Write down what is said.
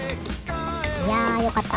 いやよかった。